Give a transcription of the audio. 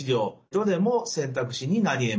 どれも選択肢になりえます。